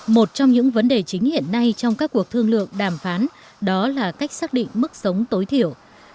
một trong những vấn đề chính hiện nay trong các cuộc thương lượng đàm phán đó là cách xác định mức sống tối thiểu